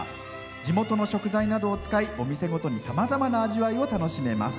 地元の食材などを使いお店ごとにさまざまな味わいを楽しめます。